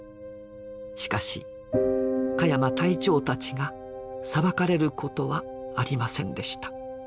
しかし鹿山隊長たちが裁かれることはありませんでした。